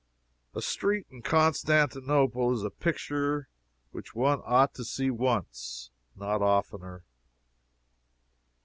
A street in Constantinople is a picture which one ought to see once not oftener.